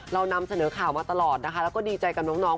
เรานำเสนอข่าวมาตลอดนะคะแล้วก็ดีใจกับน้อง